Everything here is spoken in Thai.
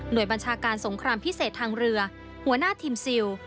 โดยบัญชาการสงครามพิเศษทางเรือหัวหน้าทีมซิล